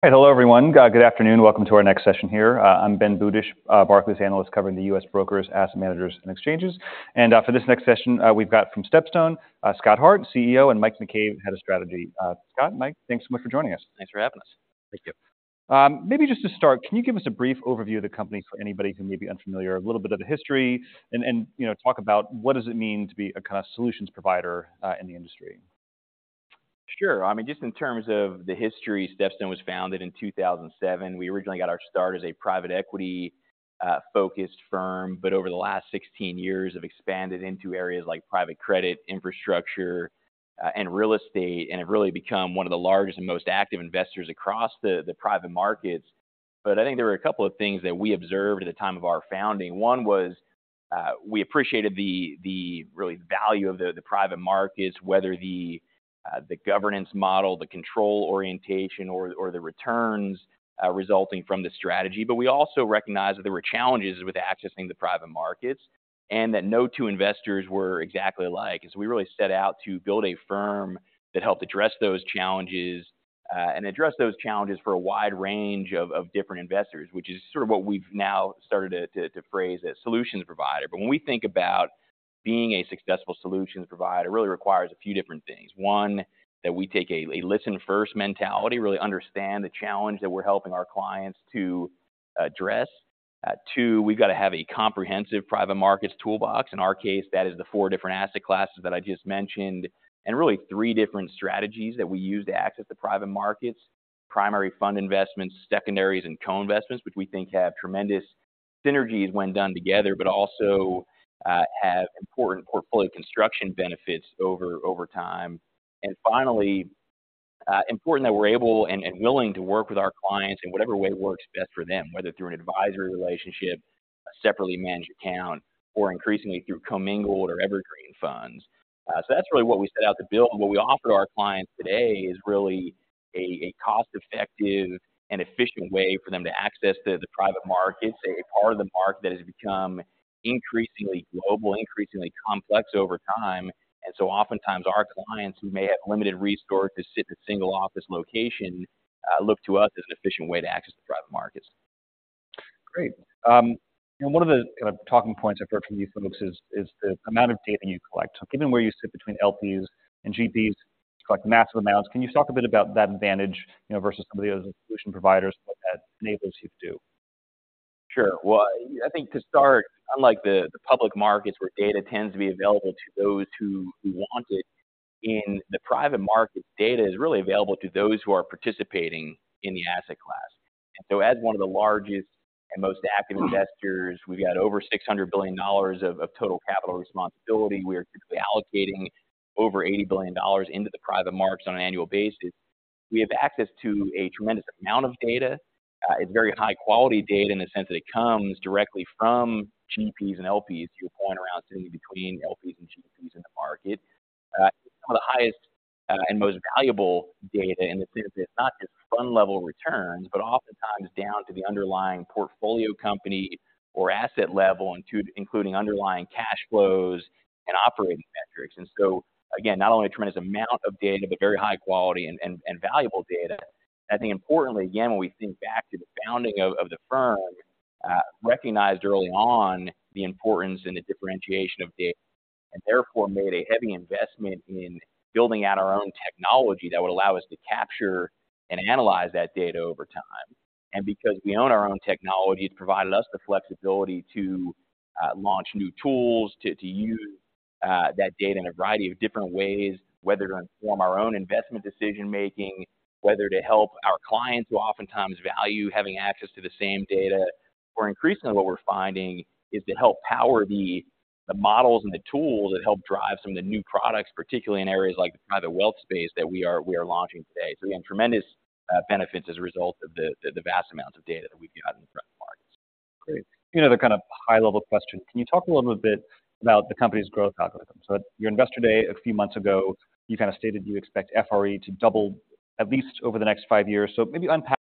Hey, hello everyone. Good afternoon, welcome to our next session here. I'm Ben Budish, Barclays analyst covering the US brokers, asset managers, and exchanges. For this next session, we've got from StepStone, Scott Hart, CEO, and Mike McCabe, Head of Strategy. Scott, Mike, thanks so much for joining us. Thanks for having us. Thank you. Maybe just to start, can you give us a brief overview of the company for anybody who may be unfamiliar, a little bit of the history, and you know, talk about what does it mean to be a kind of solutions provider in the industry? Sure. I mean, just in terms of the history, StepStone was founded in 2007. We originally got our start as a private equity focused firm, but over the last 16 years, have expanded into areas like private credit, infrastructure, and real estate, and have really become one of the largest and most active investors across the private markets. But I think there were a couple of things that we observed at the time of our founding. One was, we appreciated the real value of the private markets, whether the governance model, the control orientation, or the returns resulting from the strategy. But we also recognized that there were challenges with accessing the private markets, and that no two investors were exactly alike. So we really set out to build a firm that helped address those challenges, and address those challenges for a wide range of different investors, which is sort of what we've now started to phrase as solutions provider. But when we think about being a successful solutions provider, it really requires a few different things. One, that we take a listen first mentality, really understand the challenge that we're helping our clients to address. Two, we've got to have a comprehensive private markets toolbox. In our case, that is the four different asset classes that I just mentioned, and really three different strategies that we use to access the private markets: primary fund investments, secondaries, and co-investments, which we think have tremendous synergies when done together, but also have important portfolio construction benefits over time. And finally, important that we're able and, and willing to work with our clients in whatever way works best for them, whether through an advisory relationship, a separately managed account, or increasingly through commingled or evergreen funds. So that's really what we set out to build. And what we offer to our clients today is really a, a cost-effective and efficient way for them to access the, the private markets, a part of the market that has become increasingly global, increasingly complex over time. And so oftentimes, our clients, who may have limited resources to sit at a single office location, look to us as an efficient way to access the private markets. Great. You know, one of the kind of talking points I've heard from you folks is, is the amount of data you collect. Given where you sit between LPs and GPs, you collect massive amounts. Can you talk a bit about that advantage, you know, versus some of the other solution providers, what that enables you to do? Sure. Well, I think to start, unlike the public markets, where data tends to be available to those who want it, in the private market, data is really available to those who are participating in the asset class. And so as one of the largest and most active investors, we've got over $600 billion of total capital responsibility. We are typically allocating over $80 billion into the private markets on an annual basis. We have access to a tremendous amount of data. It's very high-quality data in the sense that it comes directly from GPs and LPs. To your point around sitting between LPs and GPs in the market, some of the highest, and most valuable data in the sense that it's not just fund-level returns, but oftentimes down to the underlying portfolio company or asset level, including underlying cash flows and operating metrics. And so again, not only a tremendous amount of data, but very high quality and valuable data. I think importantly, again, when we think back to the founding of the firm, recognized early on the importance and the differentiation of data, and therefore made a heavy investment in building out our own technology that would allow us to capture and analyze that data over time. And because we own our own technology, it's provided us the flexibility to launch new tools, to use that data in a variety of different ways. Whether to inform our own investment decision making, whether to help our clients who oftentimes value having access to the same data, or increasingly, what we're finding is to help power the models and the tools that help drive some of the new products, particularly in areas like the private wealth space, that we are launching today. So again, tremendous benefits as a result of the vast amounts of data that we've got in the private markets. Great. You know, the kind of high-level question, can you talk a little bit about the company's growth algorithm? So at your Investor Day a few months ago, you kind of stated you expect FRE to double at least over the next five years. So maybe unpack- ...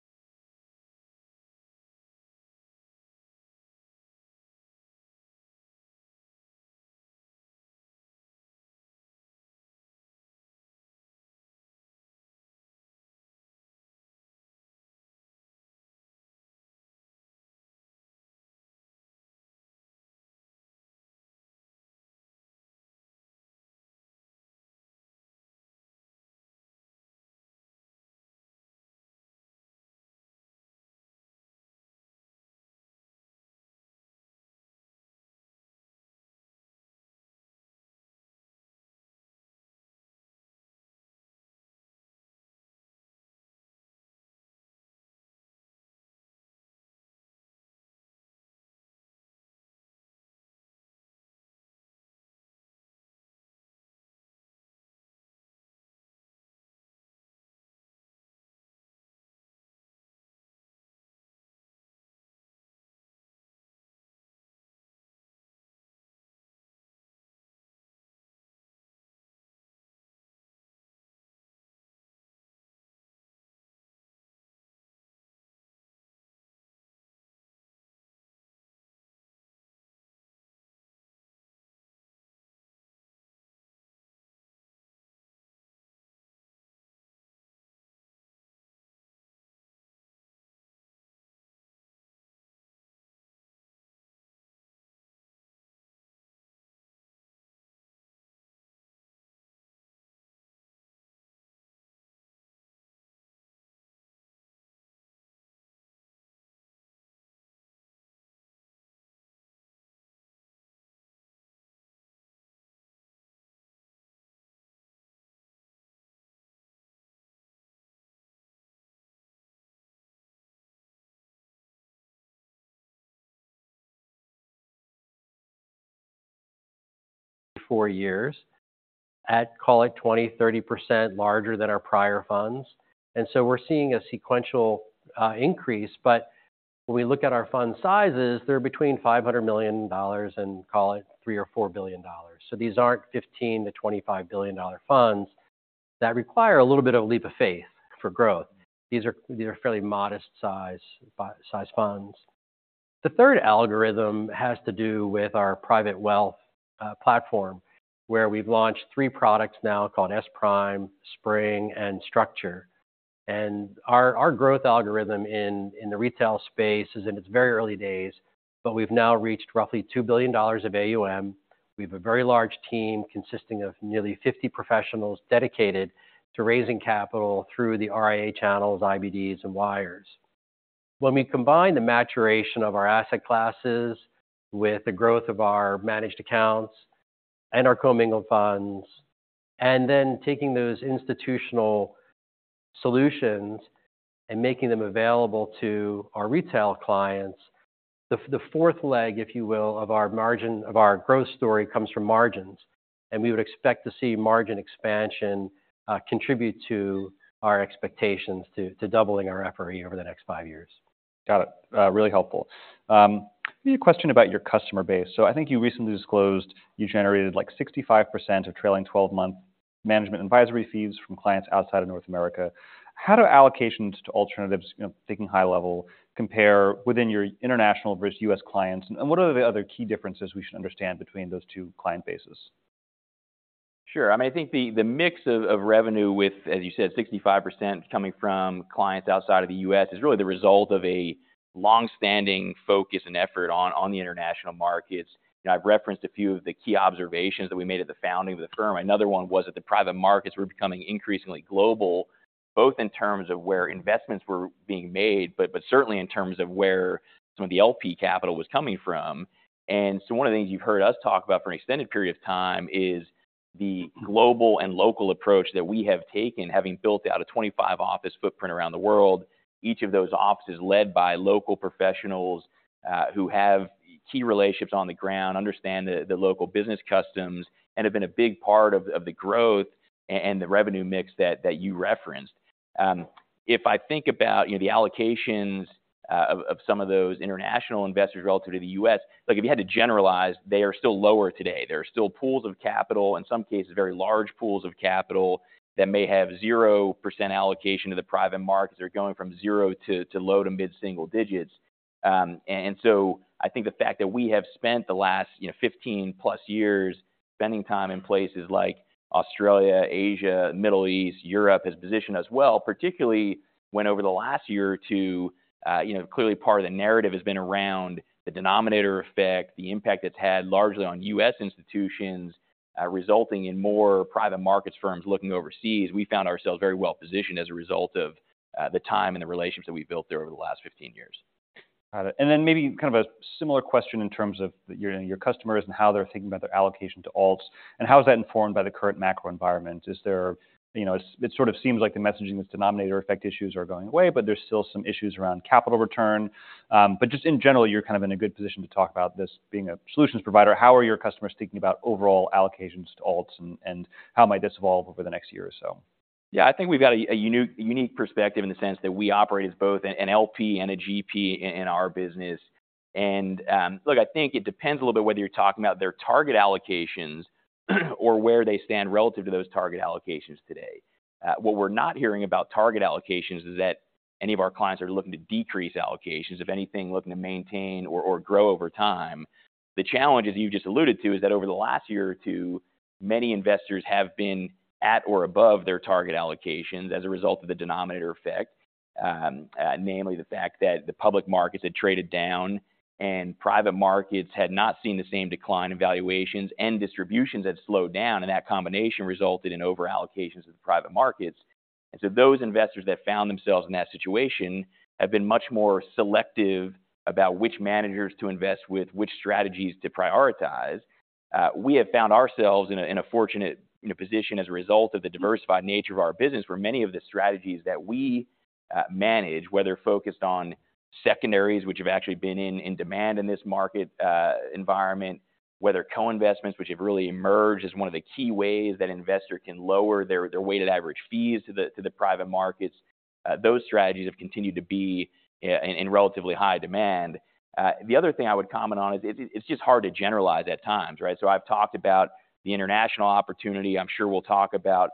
four years, at call it 20-30% larger than our prior funds. And so we're seeing a sequential increase, but when we look at our fund sizes, they're between $500 million and, call it, $3 billion or $4 billion. So these aren't $15 billion-$25 billion funds that require a little bit of a leap of faith for growth. These are, these are fairly modest size funds. The third algorithm has to do with our private wealth platform, where we've launched three products now called SPRIM, Spring, and Structure. And our growth algorithm in the retail space is in its very early days, but we've now reached roughly $2 billion of AUM. We have a very large team consisting of nearly 50 professionals dedicated to raising capital through the RIA channels, IBDs, and wires. When we combine the maturation of our asset classes with the growth of our managed accounts and our commingled funds, and then taking those institutional solutions and making them available to our retail clients, the fourth leg, if you will, of our margins of our growth story, comes from margins. We would expect to see margin expansion contribute to our expectations to doubling our FRE over the next five years. Got it. Really helpful. Maybe a question about your customer base. So I think you recently disclosed you generated, like, 65% of trailing twelve-month management advisory fees from clients outside of North America. How do allocations to alternatives, you know, thinking high level, compare within your international versus US clients? And what are the other key differences we should understand between those two client bases? Sure. I mean, I think the mix of revenue with, as you said, 65% coming from clients outside of the U.S., is really the result of a long-standing focus and effort on the international markets. And I've referenced a few of the key observations that we made at the founding of the firm. Another one was that the private markets were becoming increasingly global, both in terms of where investments were being made, but certainly in terms of where some of the LP capital was coming from. And so one of the things you've heard us talk about for an extended period of time is the global and local approach that we have taken, having built out a 25-office footprint around the world. Each of those offices led by local professionals, who have key relationships on the ground, understand the local business customs, and have been a big part of the growth and the revenue mix that you referenced. If I think about, you know, the allocations of some of those international investors relative to the US, like, if you had to generalize, they are still lower today. There are still pools of capital, in some cases, very large pools of capital, that may have 0% allocation to the private markets. They're going from 0% to low to mid single digits. So I think the fact that we have spent the last, you know, 15+ years spending time in places like Australia, Asia, Middle East, Europe, has positioned us well, particularly when over the last year or 2, you know, clearly part of the narrative has been around the denominator effect, the impact it's had largely on U.S. institutions, resulting in more private markets firms looking overseas. We found ourselves very well positioned as a result of the time and the relationships that we've built there over the last 15 years. Got it. And then maybe kind of a similar question in terms of your customers and how they're thinking about their allocation to alts, and how is that informed by the current macro environment? Is there... You know, it sort of seems like the messaging, this denominator effect issues are going away, but there's still some issues around capital return. But just in general, you're kind of in a good position to talk about this being a solutions provider. How are your customers thinking about overall allocations to alts, and how might this evolve over the next year or so? Yeah, I think we've got a unique perspective in the sense that we operate as both an LP and a GP in our business. And, look, I think it depends a little bit whether you're talking about their target allocations, or where they stand relative to those target allocations today. What we're not hearing about target allocations is that any of our clients are looking to decrease allocations, if anything, looking to maintain or, or grow over time. The challenges you just alluded to is that over the last year or two, many investors have been at or above their target allocations as a result of the denominator effect, namely, the fact that the public markets had traded down and private markets had not seen the same decline in valuations, and distributions had slowed down, and that combination resulted in over allocations of the private markets. So those investors that found themselves in that situation have been much more selective about which managers to invest with, which strategies to prioritize. We have found ourselves in a fortunate, you know, position as a result of the diversified nature of our business, where many of the strategies that we manage, whether focused on secondaries, which have actually been in demand in this market environment, whether co-investments, which have really emerged as one of the key ways that an investor can lower their weighted average fees to the private markets, those strategies have continued to be in relatively high demand. The other thing I would comment on is, it's just hard to generalize at times, right? So I've talked about the international opportunity. I'm sure we'll talk about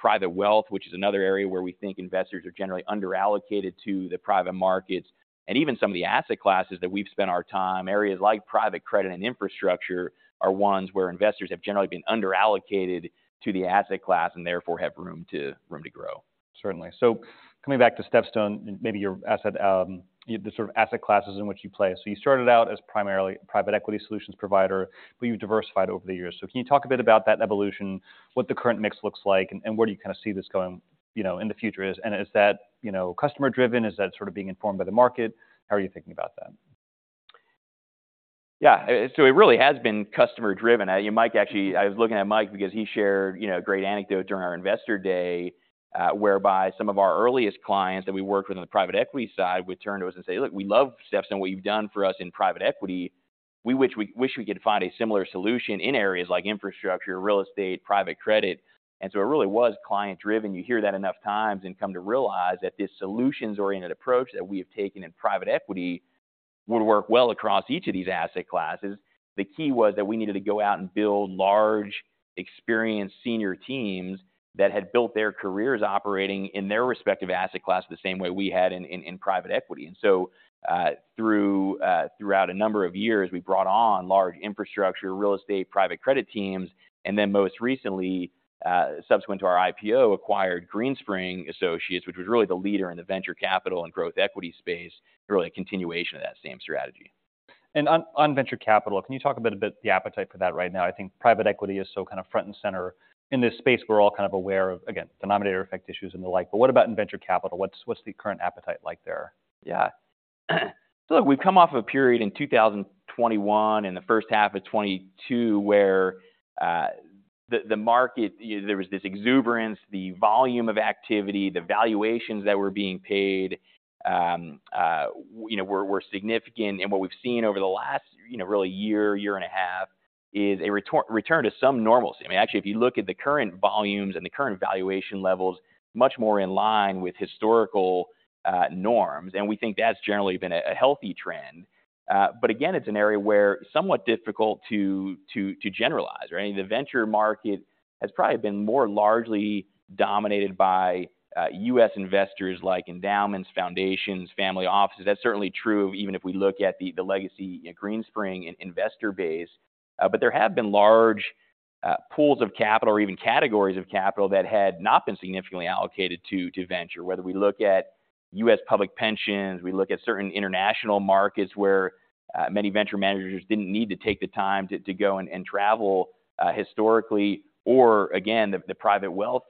private wealth, which is another area where we think investors are generally under-allocated to the private markets. Even some of the asset classes that we've spent our time, areas like private credit and infrastructure, are ones where investors have generally been under-allocated to the asset class and therefore, have room to grow. ...Certainly. So coming back to StepStone, and maybe your asset, the sort of asset classes in which you play. So you started out as primarily a private equity solutions provider, but you've diversified over the years. So can you talk a bit about that evolution, what the current mix looks like, and, and where do you kind of see this going, you know, in the future is? And is that, you know, customer-driven? Is that sort of being informed by the market? How are you thinking about that? Yeah. So it really has been customer-driven. Mike, actually... I was looking at Mike because he shared, you know, a great anecdote during our Investor Day, whereby some of our earliest clients that we worked with on the private equity side would turn to us and say, "Look, we love StepStone and what you've done for us in private equity. We wish we, wish we could find a similar solution in areas like infrastructure, real estate, private credit." And so it really was client-driven. You hear that enough times and come to realize that this solutions-oriented approach that we have taken in private equity would work well across each of these asset classes. The key was that we needed to go out and build large, experienced senior teams that had built their careers operating in their respective asset class, the same way we had in private equity. And so, throughout a number of years, we brought on large infrastructure, real estate, private credit teams, and then most recently, subsequent to our IPO, acquired Greenspring Associates, which was really the leader in the venture capital and growth equity space, really a continuation of that same strategy. On venture capital, can you talk a bit about the appetite for that right now? I think private equity is so kind of front and center in this space. We're all kind of aware of, again, denominator effect issues and the like, but what about in venture capital? What's the current appetite like there? Yeah. So look, we've come off a period in 2021 and the first half of 2022, where the market, there was this exuberance, the volume of activity, the valuations that were being paid, you know, were significant. And what we've seen over the last, you know, really year, year and a half is a return to some normalcy. I mean, actually, if you look at the current volumes and the current valuation levels, much more in line with historical norms, and we think that's generally been a healthy trend. But again, it's an area where somewhat difficult to generalize, right? The venture market has probably been more largely dominated by U.S. investors like endowments, foundations, family offices. That's certainly true even if we look at the legacy Greenspring and investor base. But there have been large pools of capital or even categories of capital that had not been significantly allocated to venture, whether we look at U.S. public pensions, we look at certain international markets where many venture managers didn't need to take the time to go and travel historically, or again, the private wealth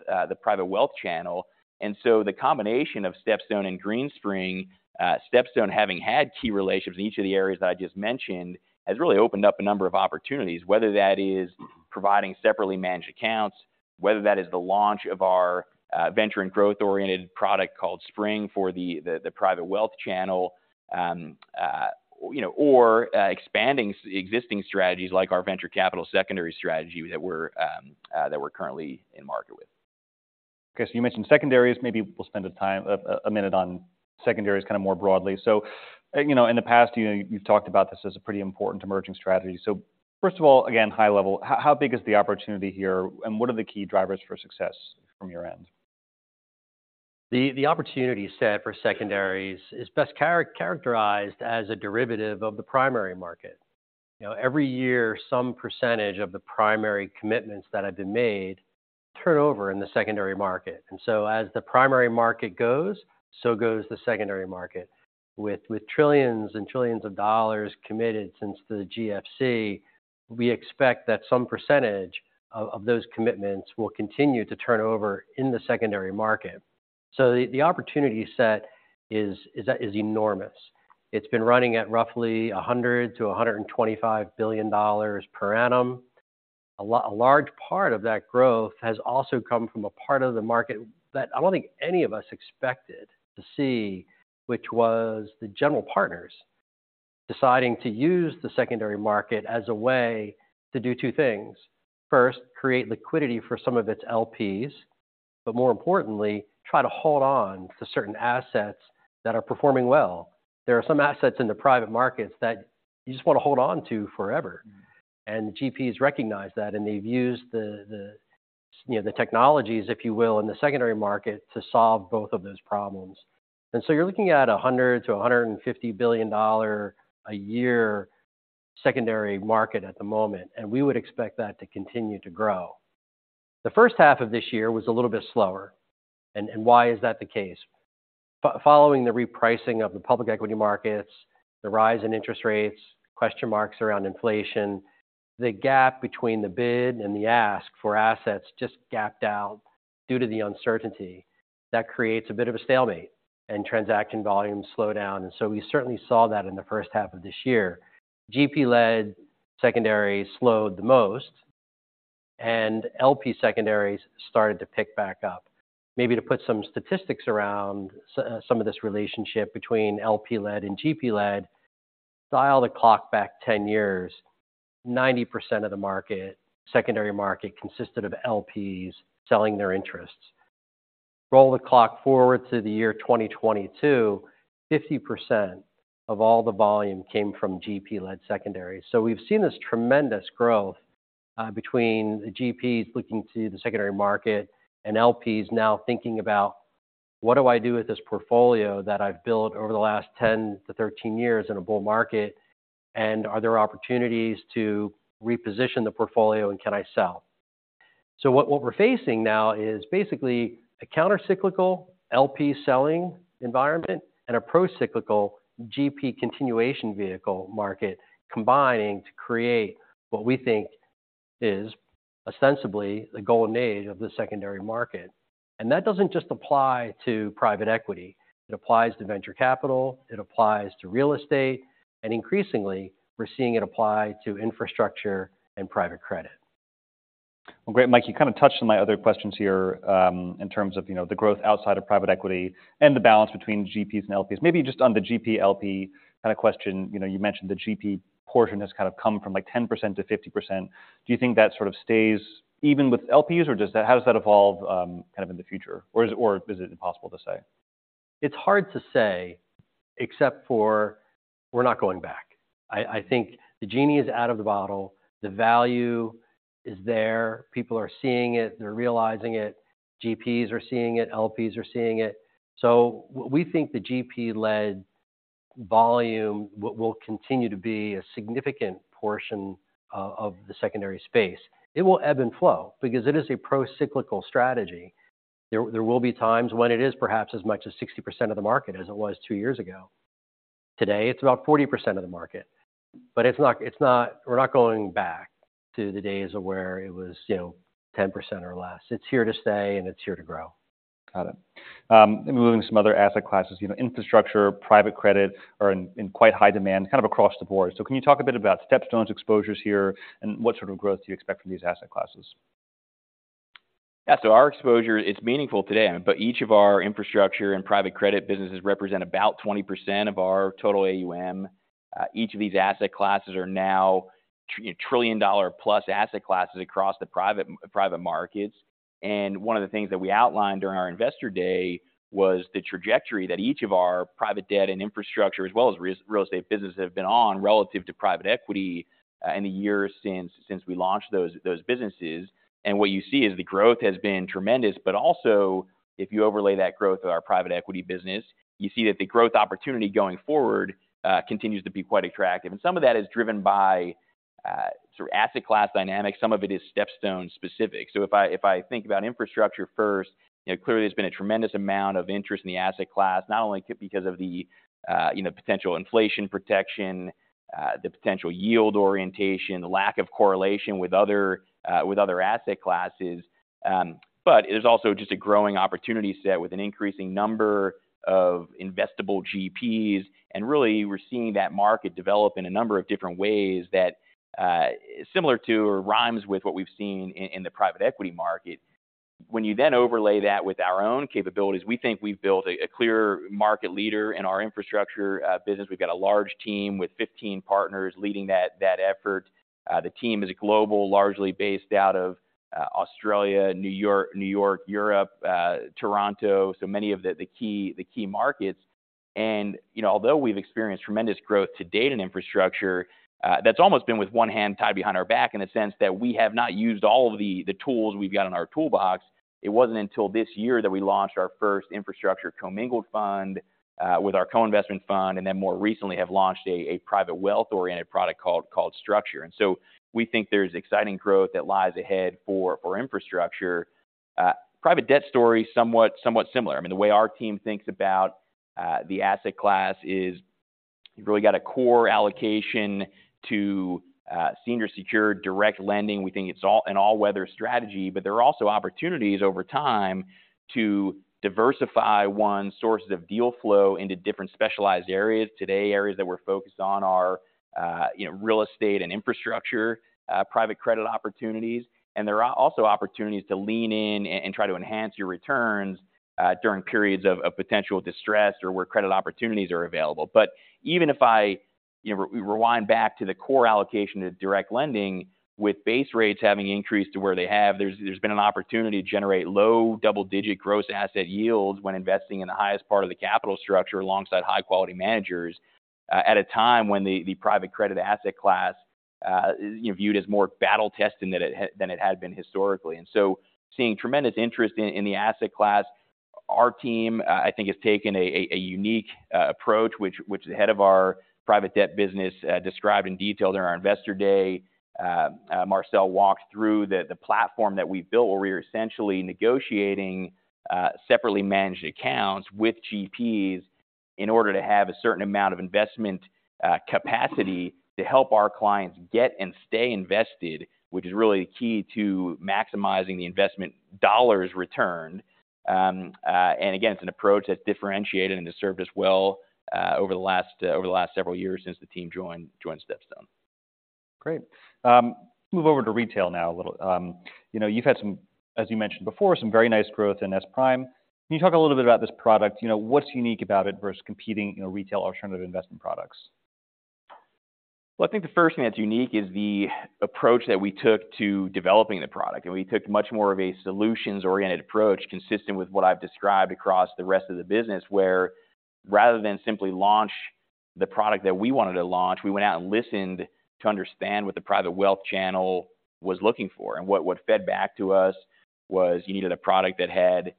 channel. And so the combination of StepStone and Greenspring, StepStone having had key relationships in each of the areas that I just mentioned, has really opened up a number of opportunities, whether that is providing separately managed accounts, whether that is the launch of our, venture and growth-oriented product called Spring for the private wealth channel, you know, or expanding existing strategies like our venture capital secondary strategy that we're currently in market with. Okay, so you mentioned secondaries. Maybe we'll spend the time... a minute on secondaries kind of more broadly. So, you know, in the past, you know, you've talked about this as a pretty important emerging strategy. So first of all, again, high level, how big is the opportunity here, and what are the key drivers for success from your end? The opportunity set for secondaries is best characterized as a derivative of the primary market. You know, every year, some percentage of the primary commitments that have been made turn over in the secondary market. And so as the primary market goes, so goes the secondary market. With trillions and trillions of dollars committed since the GFC, we expect that some percentage of those commitments will continue to turn over in the secondary market. So the opportunity set is enormous. It's been running at roughly $100 billion-$125 billion per annum. A large part of that growth has also come from a part of the market that I don't think any of us expected to see, which was the general partners deciding to use the secondary market as a way to do two things: first, create liquidity for some of its LPs, but more importantly, try to hold on to certain assets that are performing well. There are some assets in the private markets that you just want to hold on to forever, and GPs recognize that, and they've used the, you know, the technologies, if you will, in the secondary market to solve both of those problems. And so you're looking at $100 billion-$150 billion a year secondary market at the moment, and we would expect that to continue to grow. The first half of this year was a little bit slower, and why is that the case? Following the repricing of the public equity markets, the rise in interest rates, question marks around inflation, the gap between the bid and the ask for assets just gapped out due to the uncertainty. That creates a bit of a stalemate, and transaction volumes slow down, and so we certainly saw that in the first half of this year. GP-led secondaries slowed the most, and LP secondaries started to pick back up. Maybe to put some statistics around some of this relationship between LP-led and GP-led, dial the clock back 10 years, 90% of the market, secondary market, consisted of LPs selling their interests. Roll the clock forward to the year 2022, 50% of all the volume came from GP-led secondaries. So we've seen this tremendous growth between the GPs looking to the secondary market and LPs now thinking about: What do I do with this portfolio that I've built over the last 10-13 years in a bull market?... and are there opportunities to reposition the portfolio, and can I sell? So what we're facing now is basically a countercyclical LP selling environment and a procyclical GP continuation vehicle market combining to create what we think is ostensibly the golden age of the secondary market. And that doesn't just apply to private equity; it applies to venture capital, it applies to real estate, and increasingly, we're seeing it apply to infrastructure and private credit. Well, great, Mike, you kind of touched on my other questions here, in terms of, you know, the growth outside of private equity and the balance between GPs and LPs. Maybe just on the GP, LP kind of question, you know, you mentioned the GP portion has kind of come from, like, 10% to 50%. Do you think that sort of stays even with LPs, or does that—how does that evolve, kind of in the future? Or is, or is it impossible to say? It's hard to say, except for we're not going back. I think the genie is out of the bottle, the value is there. People are seeing it, they're realizing it. GPs are seeing it, LPs are seeing it. So we think the GP-led volume will continue to be a significant portion of the secondary space. It will ebb and flow because it is a procyclical strategy. There will be times when it is perhaps as much as 60% of the market as it was two years ago. Today, it's about 40% of the market, but it's not - it's not - we're not going back to the days of where it was, you know, 10% or less. It's here to stay, and it's here to grow. Got it. Moving to some other asset classes. You know, infrastructure, private credit are in quite high demand, kind of across the board. So can you talk a bit about StepStone's exposures here, and what sort of growth do you expect from these asset classes? Yeah, so our exposure, it's meaningful today, but each of our infrastructure and private credit businesses represent about 20% of our total AUM. Each of these asset classes are now trillion-dollar-plus asset classes across the private markets. And one of the things that we outlined during our Investor Day was the trajectory that each of our private debt and infrastructure, as well as real estate businesses, have been on relative to private equity, in the years since we launched those businesses. And what you see is the growth has been tremendous, but also, if you overlay that growth with our private equity business, you see that the growth opportunity going forward continues to be quite attractive. And some of that is driven by sort of asset class dynamics, some of it is StepStone specific. So if I think about infrastructure first, you know, clearly there's been a tremendous amount of interest in the asset class, not only because of the, you know, potential inflation protection, the potential yield orientation, the lack of correlation with other, with other asset classes. But it is also just a growing opportunity set with an increasing number of investable GPs, and really, we're seeing that market develop in a number of different ways that is similar to or rhymes with what we've seen in the private equity market. When you then overlay that with our own capabilities, we think we've built a clear market leader in our infrastructure business. We've got a large team with 15 partners leading that effort. The team is global, largely based out of Australia, New York, New York, Europe, Toronto, so many of the key markets. And, you know, although we've experienced tremendous growth to date in infrastructure, that's almost been with one hand tied behind our back in the sense that we have not used all of the tools we've got in our toolbox. It wasn't until this year that we launched our first infrastructure commingled fund, with our co-investment fund, and then more recently have launched a private wealth-oriented product called Structure. And so we think there's exciting growth that lies ahead for infrastructure. Private debt story, somewhat similar. I mean, the way our team thinks about the asset class is you've really got a core allocation to senior secured direct lending. We think it's all... an all-weather strategy, but there are also opportunities over time to diversify one's sources of deal flow into different specialized areas. Today, areas that we're focused on are, you know, real estate and infrastructure, private credit opportunities, and there are also opportunities to lean in and try to enhance your returns, during periods of potential distress or where credit opportunities are available. But even if I, you know, rewind back to the core allocation to direct lending, with base rates having increased to where they have, there's been an opportunity to generate low double-digit gross asset yields when investing in the highest part of the capital structure alongside high-quality managers, at a time when the private credit asset class is, you know, viewed as more battle-tested than it had been historically. And so, seeing tremendous interest in the asset class. Our team, I think, has taken a unique approach, which the head of our private debt business described in detail during our Investor Day. Mark walked through the platform that we've built, where we're essentially negotiating separately managed accounts with GPs in order to have a certain amount of investment capacity to help our clients get and stay invested, which is really key to maximizing the investment dollars returned. And again, it's an approach that's differentiated and has served us well over the last several years since the team joined StepStone. Great. Move over to retail now a little. You know, you've had some, as you mentioned before, some very nice growth in SPRIM. Can you talk a little bit about this product? You know, what's unique about it versus competing, you know, retail alternative investment products? Well, I think the first thing that's unique is the approach that we took to developing the product. We took much more of a solutions-oriented approach, consistent with what I've described across the rest of the business, where rather than simply launch the product that we wanted to launch, we went out and listened to understand what the private wealth channel was looking for. What fed back to us was you needed a product that had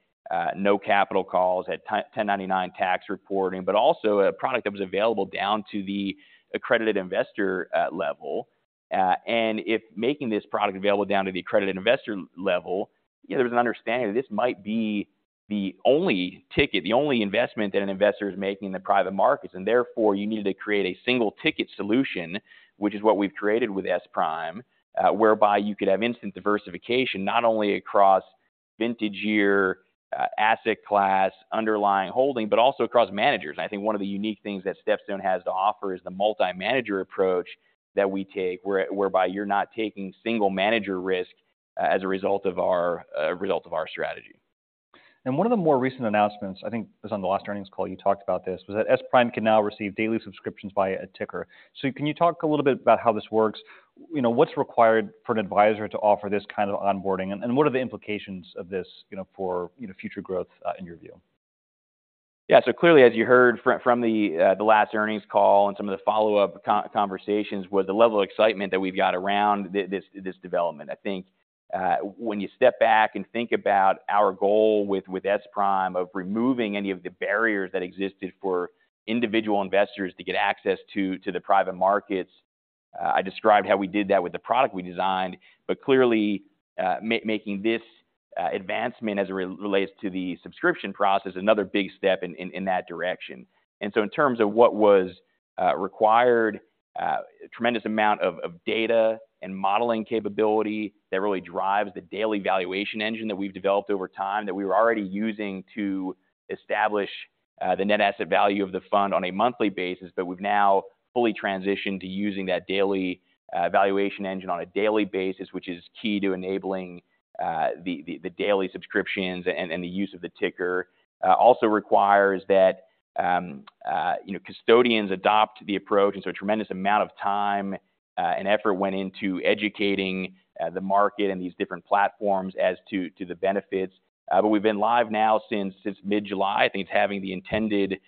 no capital calls, had 1099 tax reporting, but also a product that was available down to the accredited investor level. If making this product available down to the accredited investor level, you know, there's an understanding that this might be the only ticket, the only investment that an investor is making in the private markets. Therefore, you need to create a single-ticket solution, which is what we've created with SPRIM, whereby you could have instant diversification not only across vintage year, asset class, underlying holding, but also across managers. I think one of the unique things that StepStone has to offer is the multi-manager approach that we take, whereby you're not taking single manager risk, as a result of our, a result of our strategy. One of the more recent announcements, I think, it was on the last earnings call, you talked about this, was that SPRIM can now receive daily subscriptions via a ticker. So can you talk a little bit about how this works? You know, what's required for an advisor to offer this kind of onboarding, and what are the implications of this, you know, for future growth in your view? Yeah. So clearly, as you heard from the last earnings call and some of the follow-up conversations, was the level of excitement that we've got around this development. I think, when you step back and think about our goal with SPRIM, of removing any of the barriers that existed for individual investors to get access to the private markets, I described how we did that with the product we designed. But clearly, making this advancement as it relates to the subscription process, is another big step in that direction. And so in terms of what was required, a tremendous amount of data and modeling capability that really drives the daily valuation engine that we've developed over time, that we were already using to establish the net asset value of the fund on a monthly basis. But we've now fully transitioned to using that daily valuation engine on a daily basis, which is key to enabling the daily subscriptions and the use of the ticker. Also requires that, you know, custodians adopt the approach, and so a tremendous amount of time and effort went into educating the market and these different platforms as to the benefits. But we've been live now since mid-July. I think it's having the intended,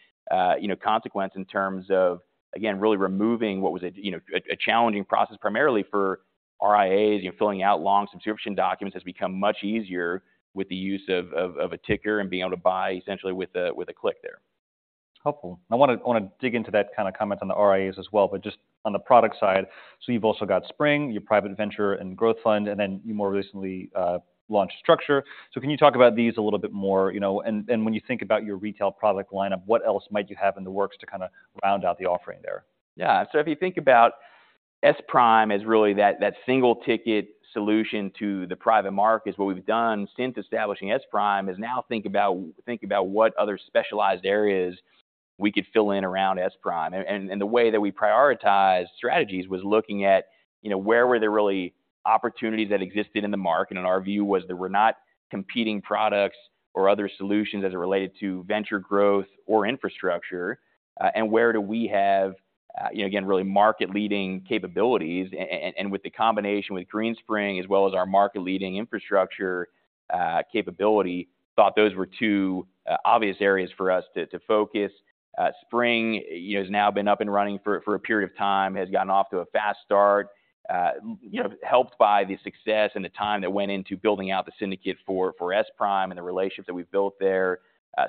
you know, consequence in terms of, again, really removing what was a, you know, challenging process, primarily for RIAs. You know, filling out long subscription documents has become much easier with the use of a ticker and being able to buy essentially with a click there. Helpful. I wanna, I wanna dig into that kind of comment on the RIAs as well, but just on the product side. So you've also got Spring, your private venture and growth fund, and then you more recently launched Structure. So can you talk about these a little bit more, you know? And when you think about your retail product lineup, what else might you have in the works to kind of round out the offering there? Yeah. So if you think about SPRIM as really that, that single-ticket solution to the private markets, what we've done since establishing SPRIM, is now think about, think about what other specialized areas we could fill in around SPRIM. And the way that we prioritize strategies was looking at, you know, where were there really opportunities that existed in the market? And our view was that there were not competing products or other solutions as it related to venture growth or infrastructure. And where do we have, you know, again, really market-leading capabilities? And with the combination with Greenspring, as well as our market-leading infrastructure capability, thought those were two, obvious areas for us to focus. SPRING, you know, has now been up and running for a period of time. Has gotten off to a fast start, you know, helped by the success and the time that went into building out the syndicate for SPRIM and the relationships that we've built there.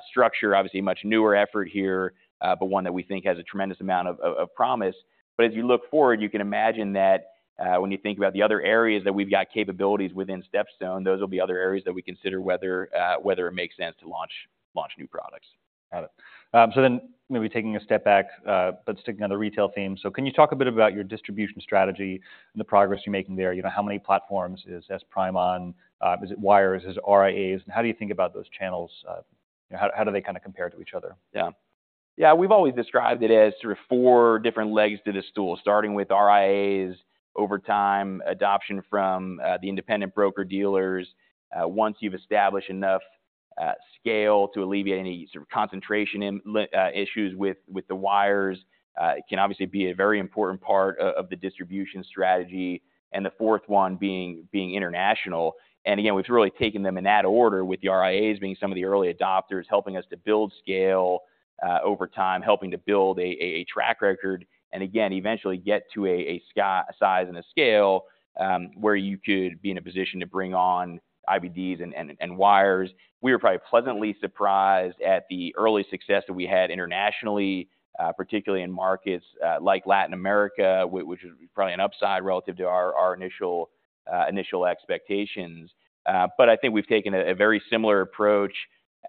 Structure, obviously a much newer effort here, but one that we think has a tremendous amount of promise. But as you look forward, you can imagine that, when you think about the other areas that we've got capabilities within StepStone, those will be other areas that we consider whether it makes sense to launch new products. Got it. So then maybe taking a step back, but sticking on the retail theme. So can you talk a bit about your distribution strategy and the progress you're making there? You know, how many platforms is SPRIM on? Is it wires? Is it RIAs? And how do you think about those channels? How do they kind of compare to each other? Yeah. Yeah, we've always described it as sort of four different legs to the stool, starting with RIAs. Over time, adoption from the independent broker-dealers. Once you've established enough scale to alleviate any sort of concentration issues with the wires, it can obviously be a very important part of the distribution strategy. And the fourth one being international. And again, we've really taken them in that order, with the RIAs being some of the early adopters, helping us to build scale over time, helping to build a track record, and again, eventually get to a size and a scale where you could be in a position to bring on IBDs and wires. We were probably pleasantly surprised at the early success that we had internationally, particularly in markets like Latin America, which is probably an upside relative to our initial expectations. But I think we've taken a very similar approach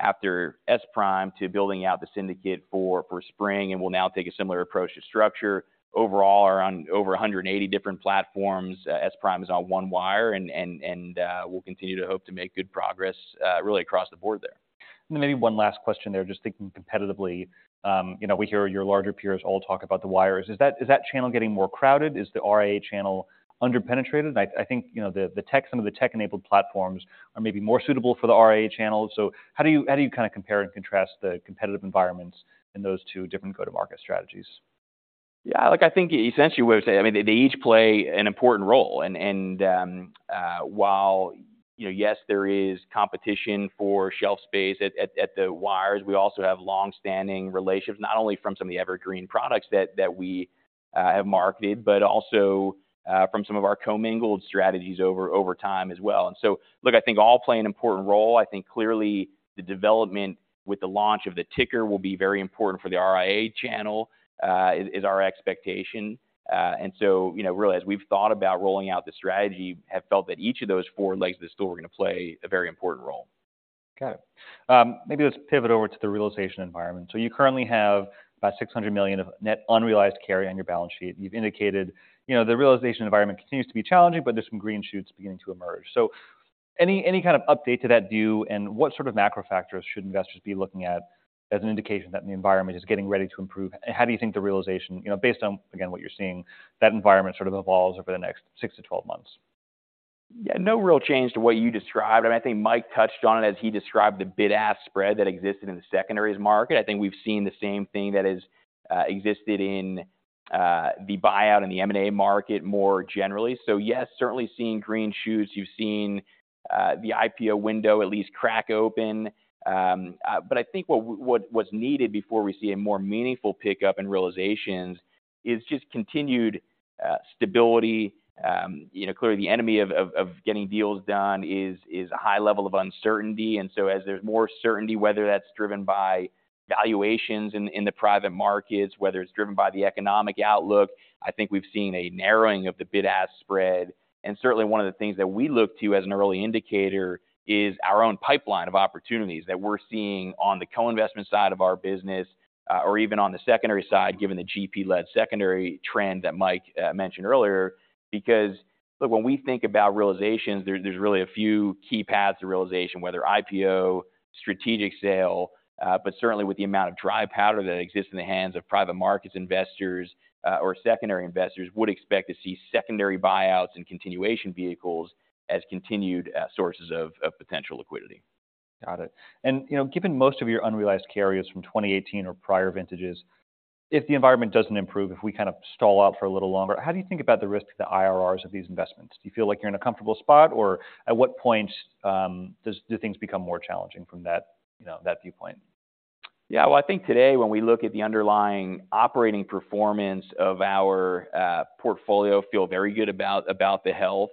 after SPRIM to building out the syndicate for Spring, and we'll now take a similar approach to Structure. Overall, around over 180 different platforms, SPRIM is on one wire, and we'll continue to hope to make good progress really across the board there. And then maybe one last question there, just thinking competitively. You know, we hear your larger peers all talk about the wires. Is that channel getting more crowded? Is the RIA channel under-penetrated? I think, you know, the tech- some of the tech-enabled platforms are maybe more suitable for the RIA channel. So how do you kind of compare and contrast the competitive environments in those two different go-to-market strategies? Yeah, look, I think essentially what I'm saying... I mean, they each play an important role. And while, you know, yes, there is competition for shelf space at the wires, we also have long-standing relationships, not only from some of the evergreen products that we have marketed, but also from some of our commingled strategies over time as well. And so, look, I think all play an important role. I think clearly, the development with the launch of the ticker will be very important for the RIA channel, is our expectation. And so, you know, really, as we've thought about rolling out the strategy, have felt that each of those four legs of the stool are going to play a very important role.... Got it. Maybe let's pivot over to the realization environment. So you currently have about $600 million of net unrealized carry on your balance sheet. You've indicated, you know, the realization environment continues to be challenging, but there's some green shoots beginning to emerge. So any kind of update to that view, and what sort of macro factors should investors be looking at as an indication that the environment is getting ready to improve? And how do you think the realization, you know, based on, again, what you're seeing, that environment sort of evolves over the next 6-12 months? Yeah, no real change to what you described, and I think Mike touched on it as he described the bid-ask spread that existed in the secondaries market. I think we've seen the same thing that has existed in the buyout and the M&A market more generally. So yes, certainly seeing green shoots. You've seen the IPO window at least crack open. But I think what's needed before we see a more meaningful pickup in realizations is just continued stability. You know, clearly, the enemy of getting deals done is a high level of uncertainty. And so as there's more certainty, whether that's driven by valuations in the private markets, whether it's driven by the economic outlook, I think we've seen a narrowing of the bid-ask spread. Certainly, one of the things that we look to as an early indicator is our own pipeline of opportunities that we're seeing on the co-investment side of our business, or even on the secondary side, given the GP-led secondary trend that Mike mentioned earlier. Because look, when we think about realizations, there's really a few key paths to realization, whether IPO, strategic sale, but certainly with the amount of dry powder that exists in the hands of private markets investors, or secondary investors, would expect to see secondary buyouts and continuation vehicles as continued sources of potential liquidity. Got it. And, you know, given most of your unrealized carry is from 2018 or prior vintages, if the environment doesn't improve, if we kind of stall out for a little longer, how do you think about the risk to the IRRs of these investments? Do you feel like you're in a comfortable spot, or at what point do things become more challenging from that, you know, that viewpoint? Yeah, well, I think today, when we look at the underlying operating performance of our portfolio, feel very good about, about the health.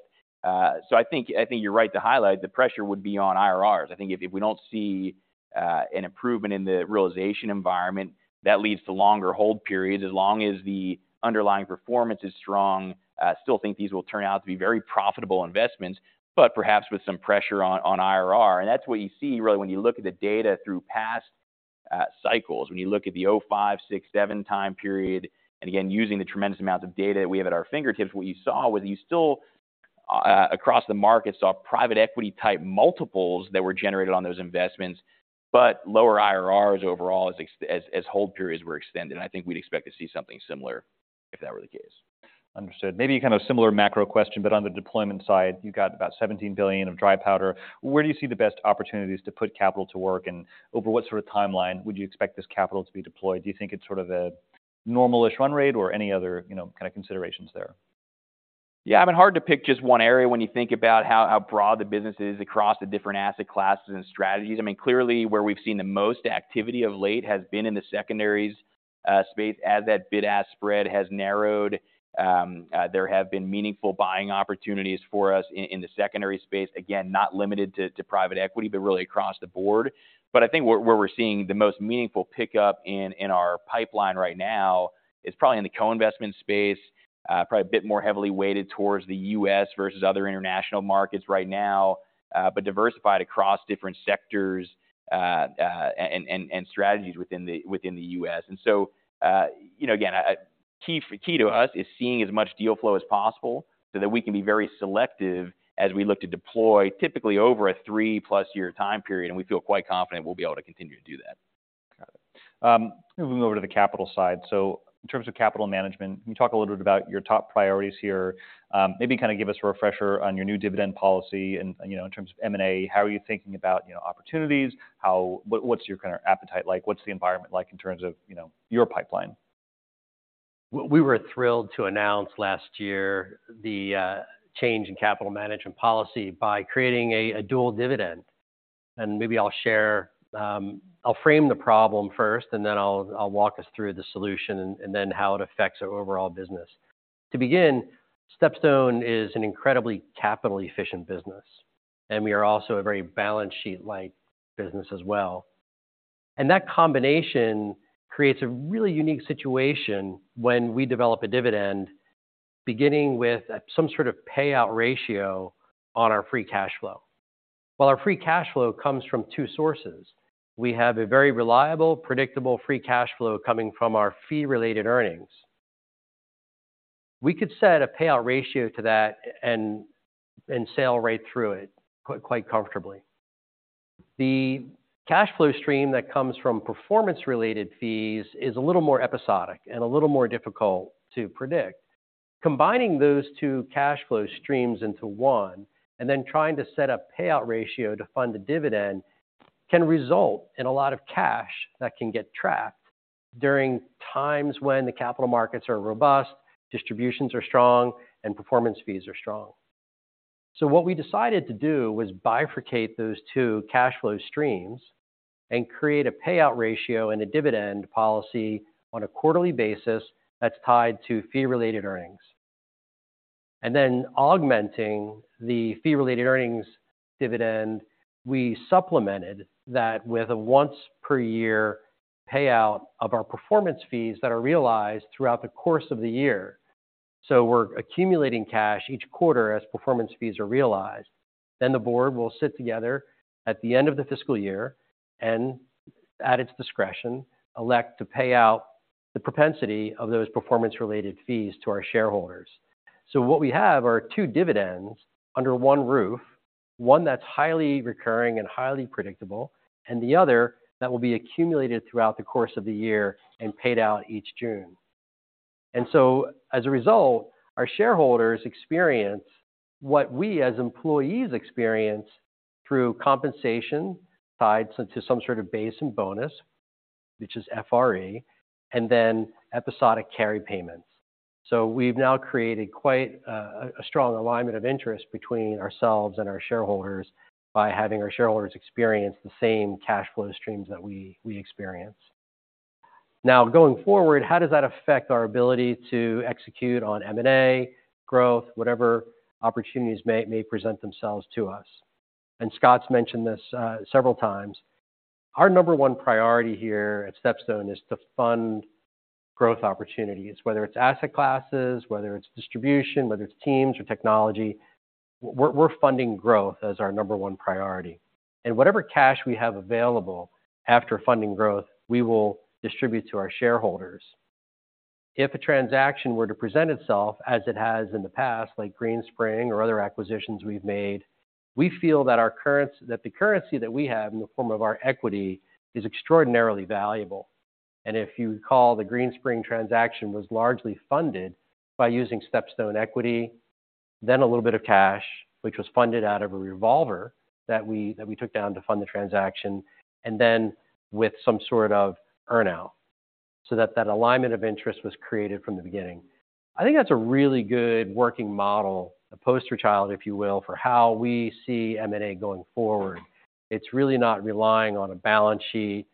So I think, I think you're right to highlight the pressure would be on IRRs. I think if, if we don't see an improvement in the realization environment, that leads to longer hold periods. As long as the underlying performance is strong, I still think these will turn out to be very profitable investments, but perhaps with some pressure on, on IRR. And that's what you see, really, when you look at the data through past cycles. When you look at the 2005, 2006, 2007 time period, and again, using the tremendous amounts of data that we have at our fingertips, what you saw was you still across the market saw private equity-type multiples that were generated on those investments, but lower IRRs overall as hold periods were extended. I think we'd expect to see something similar if that were the case. Understood. Maybe a kind of similar macro question, but on the deployment side, you've got about $17 billion of dry powder. Where do you see the best opportunities to put capital to work, and over what sort of timeline would you expect this capital to be deployed? Do you think it's sort of a normal-ish run rate or any other, you know, kind of considerations there? Yeah, I mean, hard to pick just one area when you think about how broad the business is across the different asset classes and strategies. I mean, clearly, where we've seen the most activity of late has been in the secondaries space. As that bid-ask spread has narrowed, there have been meaningful buying opportunities for us in the secondary space. Again, not limited to private equity, but really across the board. But I think where we're seeing the most meaningful pickup in our pipeline right now is probably in the co-investment space. Probably a bit more heavily weighted towards the U.S. versus other international markets right now, but diversified across different sectors and strategies within the U.S. You know, again, a key, key to us is seeing as much deal flow as possible so that we can be very selective as we look to deploy, typically over a three-plus-year time period. We feel quite confident we'll be able to continue to do that. Got it. Moving over to the capital side. So in terms of capital management, can you talk a little bit about your top priorities here? Maybe kind of give us a refresher on your new dividend policy. And, you know, in terms of M&A, how are you thinking about, you know, opportunities? How... What, what's your kind of appetite like? What's the environment like in terms of, you know, your pipeline? We were thrilled to announce last year the change in capital management policy by creating a dual dividend. And maybe I'll share. I'll frame the problem first, and then I'll walk us through the solution and then how it affects our overall business. To begin, StepStone is an incredibly capital-efficient business, and we are also a very balance sheet-like business as well. And that combination creates a really unique situation when we develop a dividend, beginning with some sort of payout ratio on our free cash flow. Well, our free cash flow comes from two sources. We have a very reliable, predictable free cash flow coming from our fee-related earnings. We could set a payout ratio to that and sail right through it quite comfortably. The cash flow stream that comes from performance-related fees is a little more episodic and a little more difficult to predict. Combining those two cash flow streams into one and then trying to set a payout ratio to fund the dividend can result in a lot of cash that can get trapped during times when the capital markets are robust, distributions are strong, and performance fees are strong. So what we decided to do was bifurcate those two cash flow streams and create a payout ratio and a dividend policy on a quarterly basis that's tied to fee-related earnings. And then augmenting the fee-related earnings dividend, we supplemented that with a once-per-year payout of our performance fees that are realized throughout the course of the year.... So we're accumulating cash each quarter as performance fees are realized. Then the board will sit together at the end of the fiscal year and, at its discretion, elect to pay out the propensity of those performance-related fees to our shareholders. So what we have are two dividends under one roof, one that's highly recurring and highly predictable, and the other that will be accumulated throughout the course of the year and paid out each June. So, as a result, our shareholders experience what we, as employees, experience through compensation tied to some sort of base and bonus, which is FRE, and then episodic carry payments. So we've now created quite a strong alignment of interest between ourselves and our shareholders by having our shareholders experience the same cash flow streams that we experience. Now, going forward, how does that affect our ability to execute on M&A, growth, whatever opportunities may present themselves to us? Scott's mentioned this several times. Our number one priority here at StepStone is to fund growth opportunities, whether it's asset classes, whether it's distribution, whether it's teams or technology. We're, we're funding growth as our number one priority. Whatever cash we have available after funding growth, we will distribute to our shareholders. If a transaction were to present itself, as it has in the past, like Greenspring or other acquisitions we've made, we feel that our currency, that the currency that we have in the form of our equity, is extraordinarily valuable. If you recall, the Greenspring transaction was largely funded by using StepStone equity, then a little bit of cash, which was funded out of a revolver that we took down to fund the transaction, and then with some sort of earnout, so that alignment of interest was created from the beginning. I think that's a really good working model, a poster child, if you will, for how we see M&A going forward. It's really not relying on a balance sheet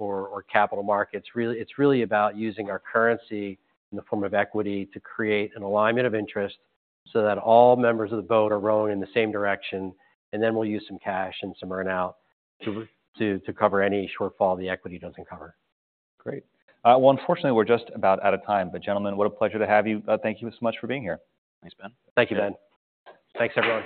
or capital markets. Really, it's really about using our currency in the form of equity to create an alignment of interest so that all members of the boat are rowing in the same direction, and then we'll use some cash and some earnout to cover any shortfall the equity doesn't cover. Great. Well, unfortunately, we're just about out of time. But, gentlemen, what a pleasure to have you. Thank you so much for being here. Thanks, Ben. Thank you, Ben. Thanks, everyone.